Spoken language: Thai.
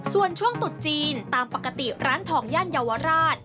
ส่วนช่วงตุดจีนตามปกติร้านทองย่านเยาวราช